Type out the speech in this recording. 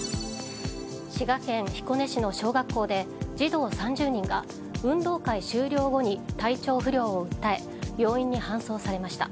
滋賀県彦根市の小学校で児童３０人が運動会終了後に体調不良を訴え病院に搬送されました。